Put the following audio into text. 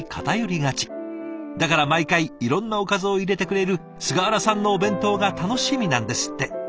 だから毎回いろんなおかずを入れてくれる菅原さんのお弁当が楽しみなんですって。